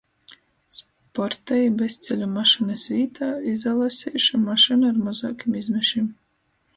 Sporta i bezceļu mašynys vītā izalaseišu mašynu ar mozuokim izmešim.